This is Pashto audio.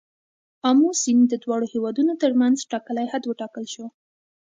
آمو سیند د دواړو هیوادونو تر منځ ټاکلی حد وټاکل شو.